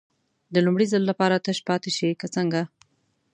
د لومړي ځل لپاره تش پاتې شي که څنګه.